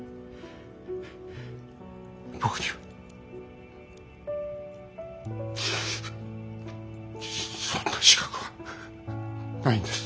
僕にはそんな資格はないんです。